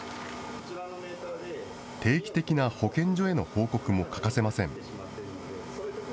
定期的な保健所への報告も欠かせません。